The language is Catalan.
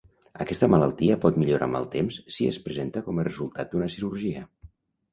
Aquesta malaltia pot millorar amb el temps si es presenta com a resultat d'una cirurgia.